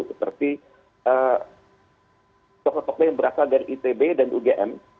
seperti tokoh tokoh yang berasal dari itb dan ugm